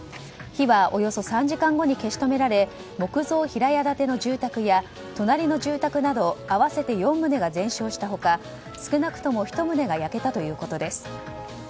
火は、およそ３時間後に消し止められ木造平屋建ての住宅や隣の住宅など合わせて４棟が全焼した他、少なくとも１棟が焼けたということです。